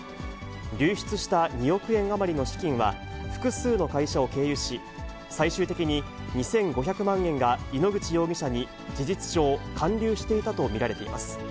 流出した２億円余りの資金は、複数の会社を経由し、最終的に２５００万円が井ノ口容疑者に、事実上、還流していたと見られています。